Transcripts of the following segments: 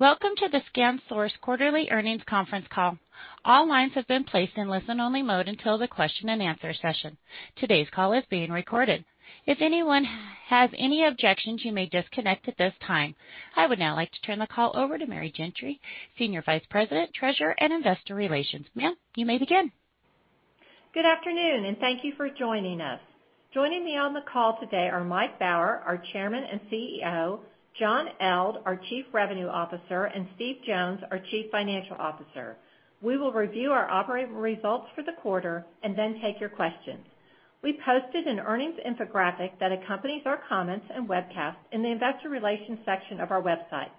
Welcome to the ScanSource quarterly earnings conference call. All lines have been placed in listen-only mode until the question-and-answer session. Today's call is being recorded. If anyone has any objections, you may disconnect at this time. I would now like to turn the call over to Mary Gentry, Senior Vice President, Treasurer, and Investor Relations. Ma'am, you may begin. Good afternoon, and thank you for joining us. Joining me on the call today are Mike Baur, our Chairman and CEO; John Eldh, our Chief Revenue Officer; and Steve Jones, our Chief Financial Officer. We will review our operating results for the quarter and then take your questions. We posted an earnings infographic that accompanies our comments and webcast in the investor relations section of our website.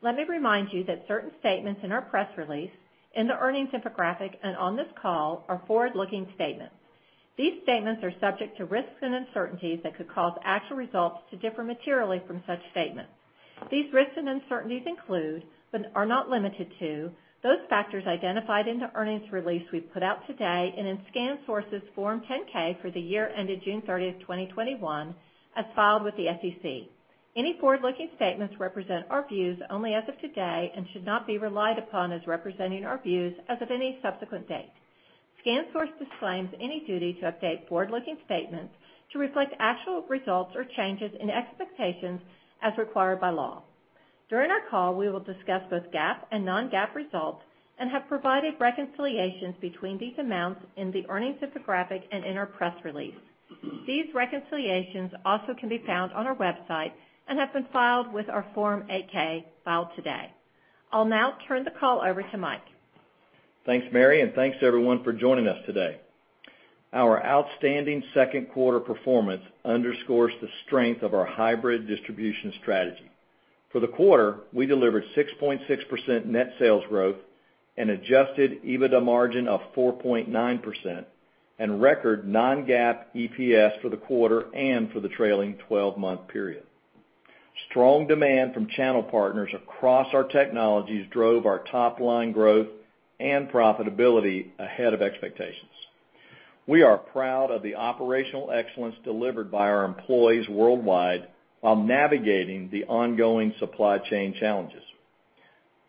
Let me remind you that certain statements in our press release, in the earnings infographic, and on this call are forward-looking statements. These statements are subject to risks and uncertainties that could cause actual results to differ materially from such statements. These risks and uncertainties include, but are not limited to, those factors identified in the earnings release we put out today and in ScanSource's Form 10-K for the year ended June 30th, 2021, as filed with the SEC. Any forward-looking statements represent our views only as of today and should not be relied upon as representing our views as of any subsequent date. ScanSource disclaims any duty to update forward-looking statements to reflect actual results or changes in expectations as required by law. During our call, we will discuss both GAAP and non-GAAP results and have provided reconciliations between these amounts in the earnings infographic and in our press release. These reconciliations also can be found on our website and have been filed with our Form 8-K filed today. I'll now turn the call over to Mike. Thanks, Mary, and thanks everyone for joining us today. Our outstanding second quarter performance underscores the strength of our hybrid distribution strategy. For the quarter, we delivered 6.6% net sales growth, an adjusted EBITDA margin of 4.9%, and record non-GAAP EPS for the quarter and for the trailing 12-month period. Strong demand from channel partners across our technologies drove our top-line growth and profitability ahead of expectations. We are proud of the operational excellence delivered by our employees worldwide while navigating the ongoing supply chain challenges.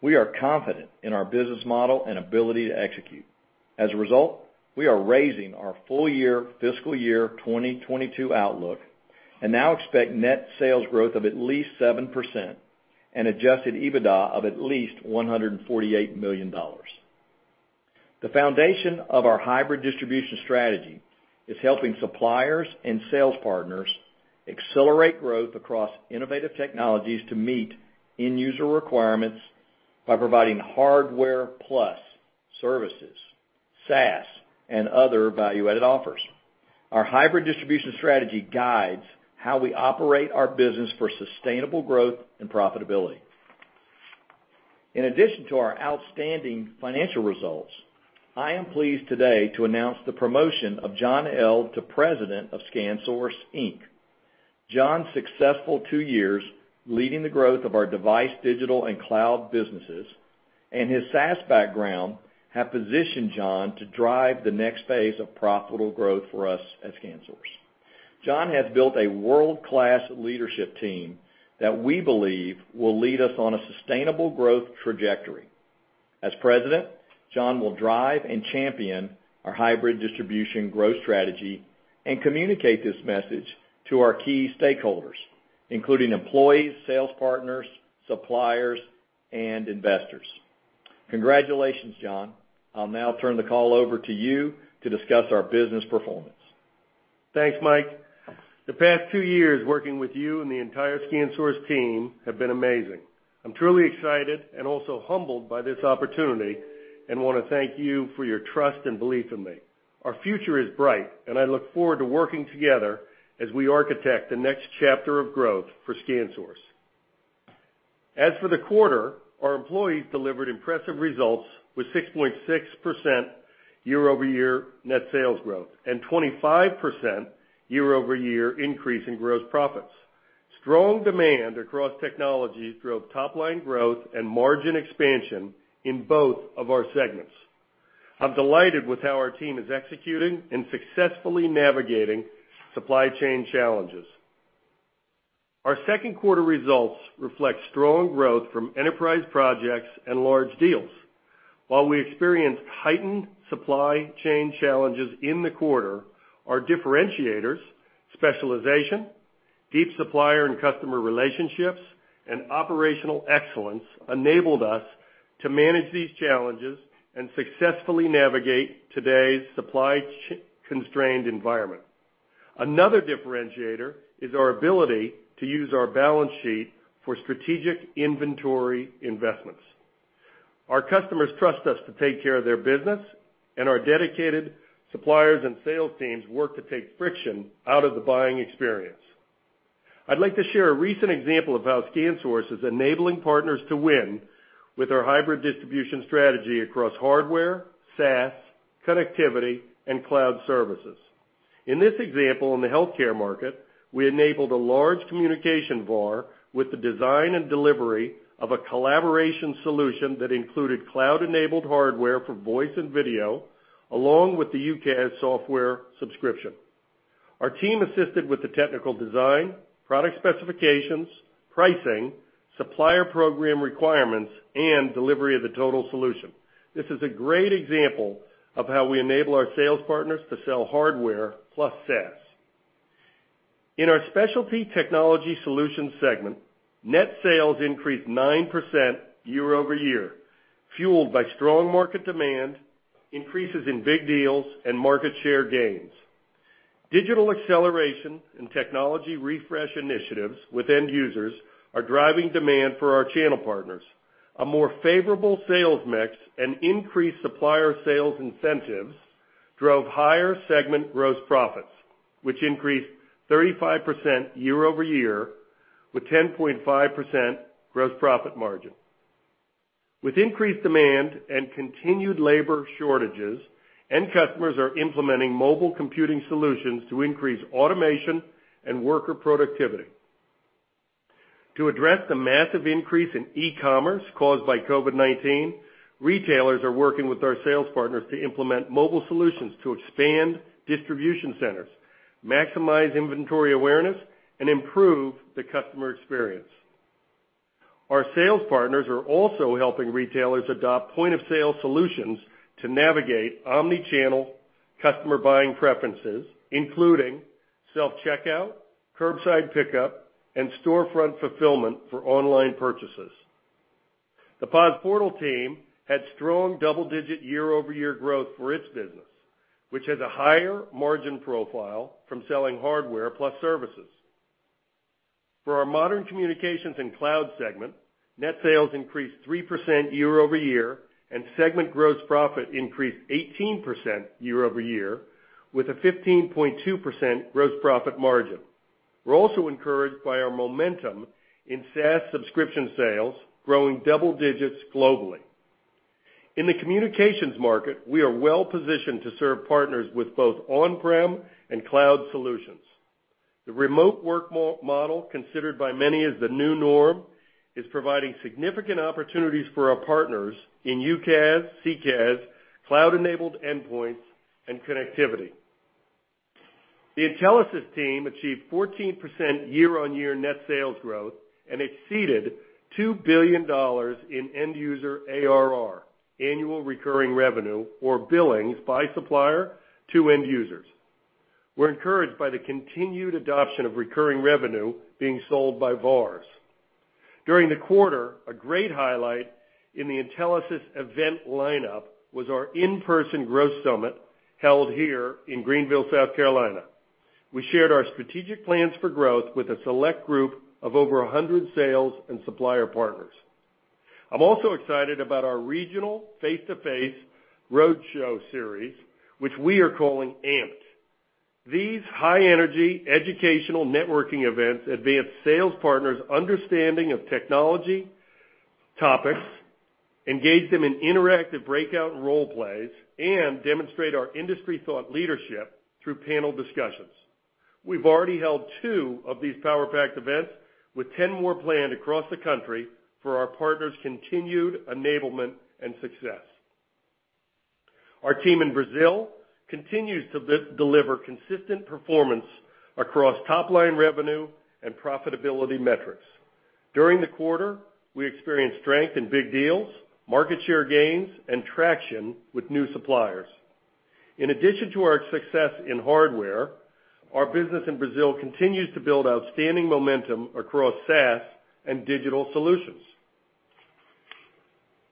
We are confident in our business model and ability to execute. As a result, we are raising our full year fiscal year 2022 outlook and now expect net sales growth of at least 7% and adjusted EBITDA of at least $148 million. The foundation of our hybrid distribution strategy is helping suppliers and sales partners accelerate growth across innovative technologies to meet end user requirements by providing hardware plus services, SaaS, and other value-added offers. Our hybrid distribution strategy guides how we operate our business for sustainable growth and profitability. In addition to our outstanding financial results, I am pleased today to announce the promotion of John Eldh to President of ScanSource, Inc. John's successful two years leading the growth of our device, digital, and cloud businesses and his SaaS background have positioned John to drive the next phase of profitable growth for us at ScanSource. John has built a world-class leadership team that we believe will lead us on a sustainable growth trajectory. As president, John will drive and champion our hybrid distribution growth strategy and communicate this message to our key stakeholders, including employees, sales partners, suppliers, and investors. Congratulations, John. I'll now turn the call over to you to discuss our business performance. Thanks, Mike. The past two years working with you and the entire ScanSource team have been amazing. I'm truly excited and also humbled by this opportunity and wanna thank you for your trust and belief in me. Our future is bright, and I look forward to working together as we architect the next chapter of growth for ScanSource. As for the quarter, our employees delivered impressive results with 6.6% year-over-year net sales growth and 25% year-over-year increase in gross profits. Strong demand across technologies drove top-line growth and margin expansion in both of our segments. I'm delighted with how our team is executing and successfully navigating supply chain challenges. Our second quarter results reflect strong growth from enterprise projects and large deals. While we experienced heightened supply chain challenges in the quarter, our differentiators, specialization, deep supplier and customer relationships, and operational excellence enabled us to manage these challenges and successfully navigate today's supply-constrained environment. Another differentiator is our ability to use our balance sheet for strategic inventory investments. Our customers trust us to take care of their business, and our dedicated suppliers and sales teams work to take friction out of the buying experience. I'd like to share a recent example of how ScanSource is enabling partners to win with our hybrid distribution strategy across hardware, SaaS, connectivity, and cloud services. In this example in the healthcare market, we enabled a large communications VAR with the design and delivery of a collaboration solution that included cloud-enabled hardware for voice and video, along with the UCaaS software subscription. Our team assisted with the technical design, product specifications, pricing, supplier program requirements, and delivery of the total solution. This is a great example of how we enable our sales partners to sell hardware plus SaaS. In our Specialty Technology Solutions segment, net sales increased 9% year-over-year, fueled by strong market demand, increases in big deals, and market share gains. Digital acceleration and technology refresh initiatives with end users are driving demand for our channel partners. A more favorable sales mix and increased supplier sales incentives drove higher segment gross profits, which increased 35% year-over-year, with 10.5% gross profit margin. With increased demand and continued labor shortages, end customers are implementing Mobile Computing solutions to increase automation and worker productivity. To address the massive increase in e-commerce caused by COVID-19, retailers are working with our sales partners to implement mobile solutions to expand distribution centers, maximize inventory awareness, and improve the customer experience. Our sales partners are also helping retailers adopt point-of-sale solutions to navigate omni-channel customer buying preferences, including self-checkout, curbside pickup, and storefront fulfillment for online purchases. The POS Portal team had strong double-digit year-over-year growth for its business, which has a higher margin profile from selling hardware plus services. For our modern communications and cloud segment, net sales increased 3% year-over-year, and segment gross profit increased 18% year-over-year, with a 15.2% gross profit margin. We're also encouraged by our momentum in SaaS subscription sales growing double digits globally. In the communications market, we are well-positioned to serve partners with both on-prem and cloud solutions. The remote work model, considered by many as the new norm, is providing significant opportunities for our partners in UCaaS, CCaaS, cloud-enabled endpoints, and connectivity. The Intelisys team achieved 14% year-on-year net sales growth and exceeded $2 billion in end user ARR, annual recurring revenue, or billings by supplier to end users. We're encouraged by the continued adoption of recurring revenue being sold by VARs. During the quarter, a great highlight in the Intelisys event lineup was our in-person growth summit held here in Greenville, South Carolina. We shared our strategic plans for growth with a select group of over 100 sales and supplier partners. I'm also excited about our regional face-to-face roadshow series, which we are calling AMPED. These high-energy educational networking events advance sales partners' understanding of technology topics, engage them in interactive breakout role-plays, and demonstrate our industry thought leadership through panel discussions. We've already held two of these power-packed events, with 10 more planned across the country for our partners' continued enablement and success. Our team in Brazil continues to deliver consistent performance across top-line revenue and profitability metrics. During the quarter, we experienced strength in big deals, market share gains, and traction with new suppliers. In addition to our success in hardware, our business in Brazil continues to build outstanding momentum across SaaS and digital solutions.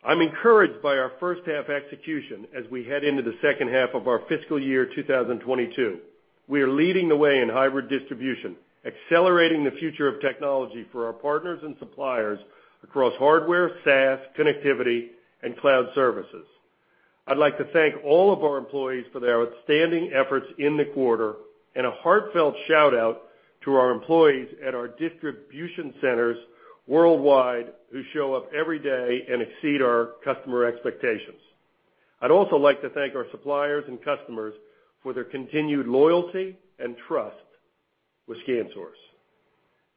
I'm encouraged by our first half execution as we head into the second half of our fiscal year 2022. We are leading the way in hybrid distribution, accelerating the future of technology for our partners and suppliers across hardware, SaaS, connectivity, and cloud services. I'd like to thank all of our employees for their outstanding efforts in the quarter, and a heartfelt shout-out to our employees at our distribution centers worldwide who show up every day and exceed our customer expectations. I'd also like to thank our suppliers and customers for their continued loyalty and trust with ScanSource.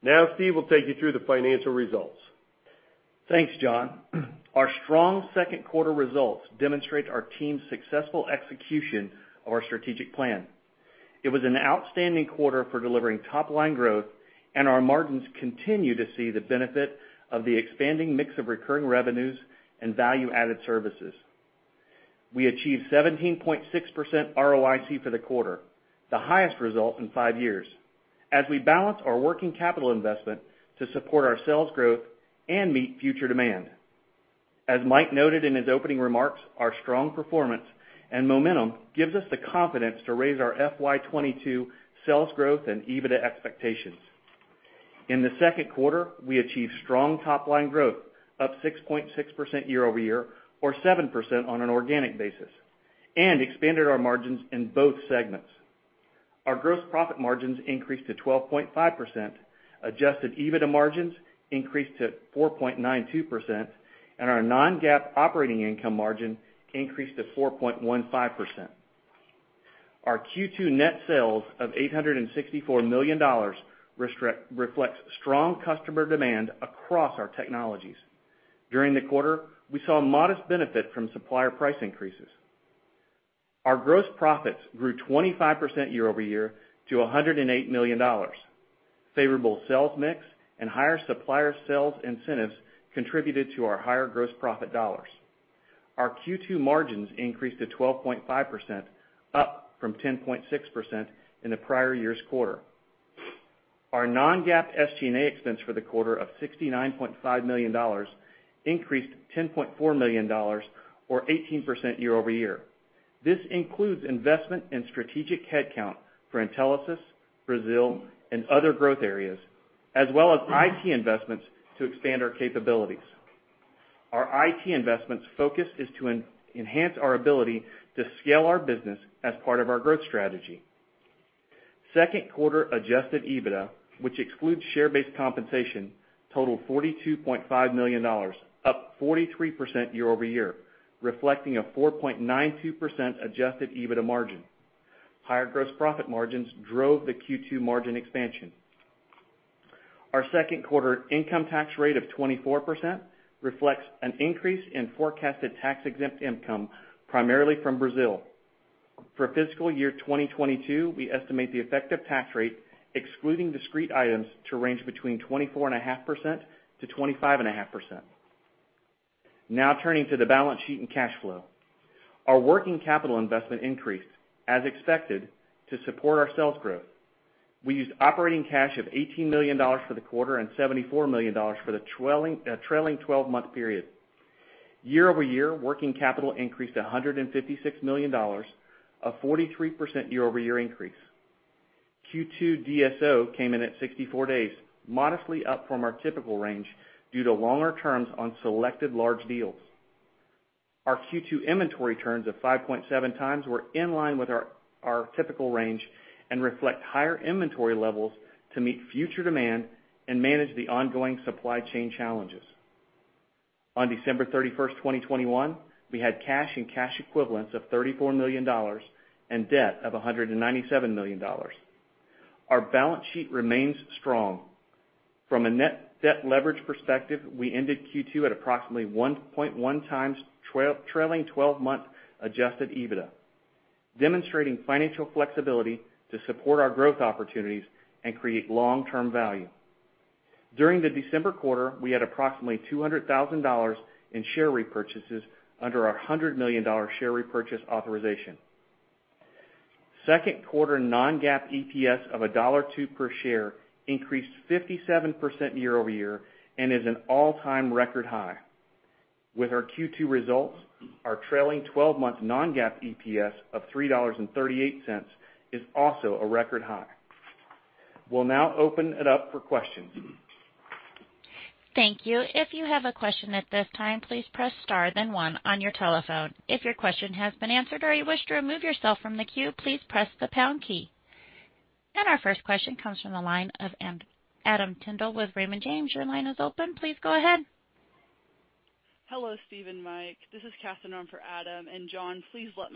Now, Steve will take you through the financial results. Thanks, John. Our strong second quarter results demonstrate our team's successful execution of our strategic plan. It was an outstanding quarter for delivering top-line growth, and our margins continue to see the benefit of the expanding mix of recurring revenues and value-added services. We achieved 17.6% ROIC for the quarter, the highest result in five years, as we balance our working capital investment to support our sales growth and meet future demand. As Mike noted in his opening remarks, our strong performance and momentum gives us the confidence to raise our FY 2022 sales growth and EBITDA expectations. In the second quarter, we achieved strong top-line growth, up 6.6% year-over-year or 7% on an organic basis, and expanded our margins in both segments. Our gross profit margins increased to 12.5%, adjusted EBITDA margins increased to 4.92%, and our non-GAAP operating income margin increased to 4.15%. Our Q2 net sales of $864 million reflects strong customer demand across our technologies. During the quarter, we saw a modest benefit from supplier price increases. Our gross profits grew 25% year-over-year to $108 million. Favorable sales mix and higher supplier sales incentives contributed to our higher gross profit dollars. Our Q2 margins increased to 12.5%, up from 10.6% in the prior year's quarter. Our non-GAAP SG&A expense for the quarter of $69.5 million increased $10.4 million or 18% year-over-year. This includes investment in strategic headcount for Intelisys, Brazil, and other growth areas, as well as IT investments to expand our capabilities. Our IT investments focus is to enhance our ability to scale our business as part of our growth strategy. Second quarter adjusted EBITDA, which excludes share-based compensation, totaled $42.5 million, up 43% year-over-year, reflecting a 4.92% adjusted EBITDA margin. Higher gross profit margins drove the Q2 margin expansion. Our second quarter income tax rate of 24% reflects an increase in forecasted tax-exempt income, primarily from Brazil. For fiscal year 2022, we estimate the effective tax rate, excluding discrete items, to range between 24.5%-25.5%. Now turning to the balance sheet and cash flow. Our working capital investment increased as expected to support our sales growth. We used operating cash of $18 million for the quarter and $74 million for the trailing 12-month period. Year-over-year, working capital increased to $156 million, a 43% year-over-year increase. Q2 DSO came in at 64 days, modestly up from our typical range due to longer terms on selected large deals. Our Q2 inventory turns of 5.7x were in line with our typical range and reflect higher inventory levels to meet future demand and manage the ongoing supply chain challenges. On December 31st, 2021, we had cash and cash equivalents of $34 million and debt of $197 million. Our balance sheet remains strong. From a net debt leverage perspective, we ended Q2 at approximately 1.1x trailing 12-month adjusted EBITDA, demonstrating financial flexibility to support our growth opportunities and create long-term value. During the December quarter, we had approximately $200,000 in share repurchases under our $100 million share repurchase authorization. Second quarter non-GAAP EPS of $1.02 per share increased 57% year-over-year and is an all-time record high. With our Q2 results, our trailing 12-month non-GAAP EPS of $3.38 is also a record high. We'll now open it up for questions. Our first question comes from the line of Adam Tindle with Raymond James. Your line is open. Please go ahead. Hello, Steve and Mike. This is Catherine on for Adam. John, please let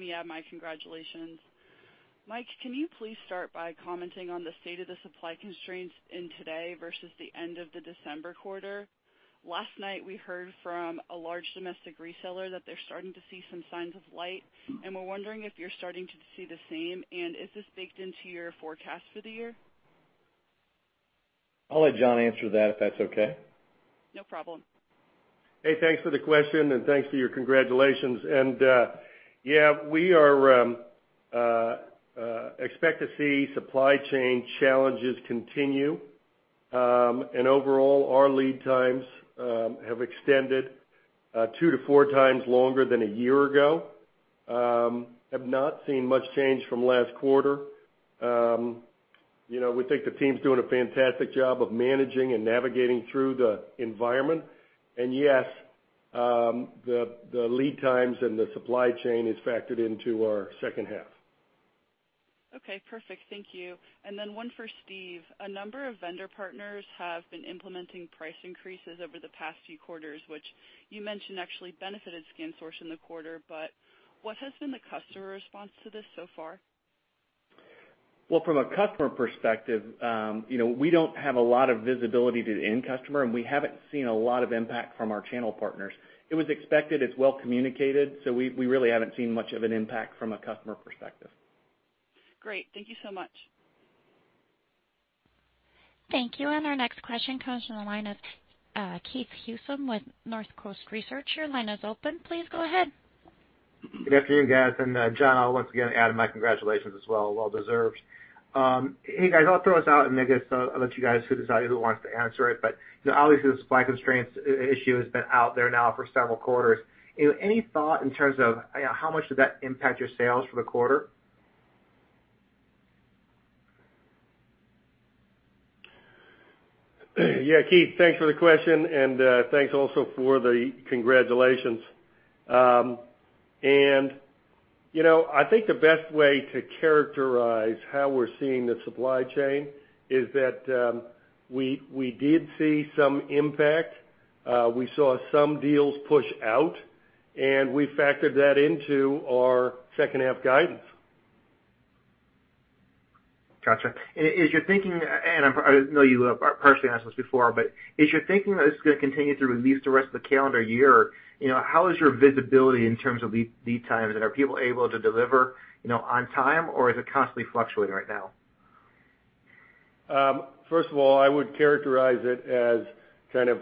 me add my congratulations. Mike, can you please start by commenting on the state of the supply constraints in today versus the end of the December quarter? Last night, we heard from a large domestic reseller that they're starting to see some signs of light, and we're wondering if you're starting to see the same, and is this baked into your forecast for the year? I'll let John answer that, if that's okay. No problem. Hey, thanks for the question, and thanks for your congratulations. We expect to see supply chain challenges continue. Overall, our lead times have extended two to four times longer than a year ago. Have not seen much change from last quarter. You know, we think the team's doing a fantastic job of managing and navigating through the environment. Yes, the lead times and the supply chain is factored into our second half. Okay. Perfect. Thank you. Then one for Steve. A number of vendor partners have been implementing price increases over the past few quarters, which you mentioned actually benefited ScanSource in the quarter. What has been the customer response to this so far? Well, from a customer perspective, you know, we don't have a lot of visibility to the end customer, and we haven't seen a lot of impact from our channel partners. It was expected. It's well communicated, so we really haven't seen much of an impact from a customer perspective. Great. Thank you so much. Thank you. Our next question comes from the line of Keith Housum with Northcoast Research. Your line is open. Please go ahead. Good afternoon, guys. John, I'll once again add my congratulations as well. Well deserved. Hey, guys, I'll throw this out, and I guess I'll let you guys decide who wants to answer it. You know, obviously, the supply constraints issue has been out there now for several quarters. You know, any thought in terms of, you know, how much did that impact your sales for the quarter? Yeah, Keith, thanks for the question, and thanks also for the congratulations. You know, I think the best way to characterize how we're seeing the supply chain is that we did see some impact. We saw some deals push out, and we factored that into our second half guidance. Gotcha. Is your thinking, and I know you partially answered this before, but is your thinking that it's gonna continue through at least the rest of the calendar year? You know, how is your visibility in terms of lead times, and are people able to deliver, you know, on time, or is it constantly fluctuating right now? First of all, I would characterize it as kind of,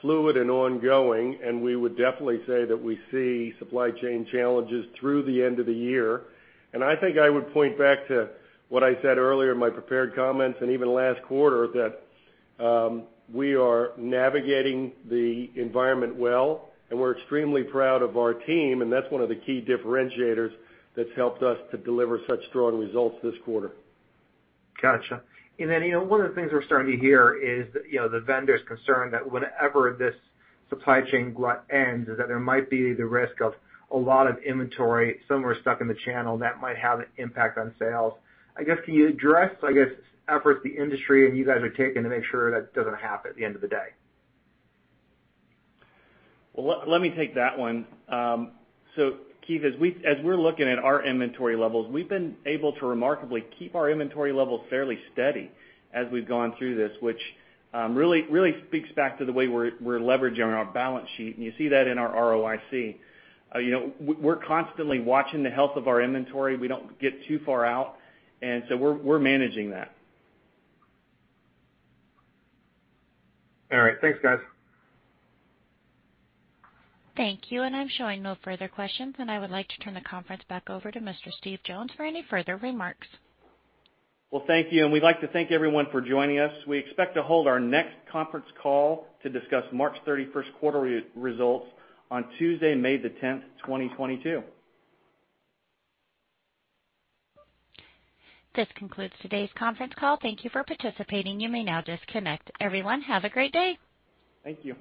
fluid and ongoing, and we would definitely say that we see supply chain challenges through the end of the year. I think I would point back to what I said earlier in my prepared comments and even last quarter that we are navigating the environment well, and we're extremely proud of our team, and that's one of the key differentiators that's helped us to deliver such strong results this quarter. Gotcha. You know, one of the things we're starting to hear is, you know, the vendors are concerned that whenever this supply chain glut ends, there might be the risk of a lot of inventory somewhere stuck in the channel that might have an impact on sales. I guess, can you address, I guess, efforts the industry and you guys are taking to make sure that doesn't happen at the end of the day? Well, let me take that one. Keith, as we're looking at our inventory levels, we've been able to remarkably keep our inventory levels fairly steady as we've gone through this, which really speaks back to the way we're leveraging our balance sheet, and you see that in our ROIC. You know, we're constantly watching the health of our inventory. We don't get too far out, and so we're managing that. All right. Thanks, guys. Thank you. I'm showing no further questions, and I would like to turn the conference back over to Mr. Steve Jones for any further remarks. Well, thank you, and we'd like to thank everyone for joining us. We expect to hold our next conference call to discuss March 31st quarterly results on Tuesday, May the 10th, 2022. This concludes today's conference call. Thank you for participating. You may now disconnect. Everyone, have a great day. Thank you.